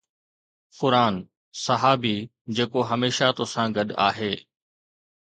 قرآن: صحابي، جيڪو هميشه توسان گڏ آهي